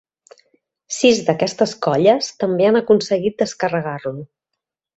Sis d'aquestes colles també han aconseguit descarregar-lo.